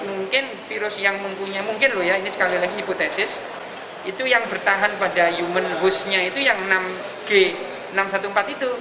mungkin virus yang mempunyai mungkin loh ya ini sekali lagi hipotesis itu yang bertahan pada human hostnya itu yang enam g enam ratus empat belas itu